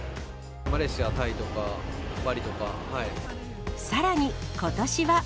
マレーシア、タイとか、さらに、ことしは。